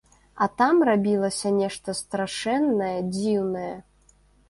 А там рабілася нешта страшэннае, дзіўнае.